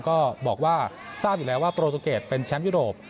ก็บอกว่าทราบอยู่แล้วว่าโปรตูเกตเป็นแชมป์ยุโรป